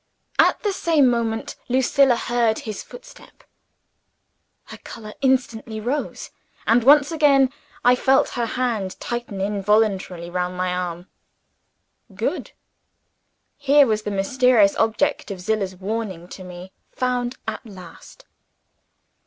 At the same moment, Lucilla heard his footstep. Her color instantly rose; and once again I felt her hand tighten involuntarily round my arm. (Good! Here was the mysterious object of Zillah's warning to me found at last!)